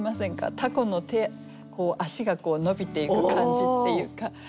タコの手足が伸びていく感じっていうか。